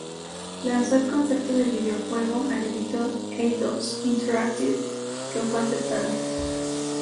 Lanzó el concepto del videojuego al editor Eidos Interactive, que fue aceptado.